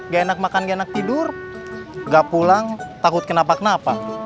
gak enak makan gak enak tidur gak pulang takut kenapa kenapa